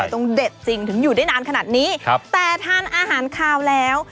ต้องเด็ดจริงถึงอยู่ได้นานขนาดนี้ครับแต่ทานอาหารคาวแล้ว